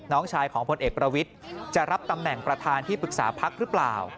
น้องชายของพลเอกประวิทย์จะรับตำแหน่งประธานที่ปรึกษาพักหรือเปล่า